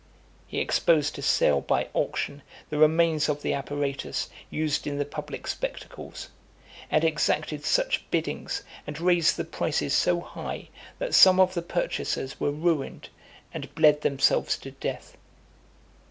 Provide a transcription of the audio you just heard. He exposed to sale by auction, the remains of the apparatus used in the public spectacles; and exacted such biddings, and raised the prices so high, that some of the purchasers were ruined, and bled themselves to death.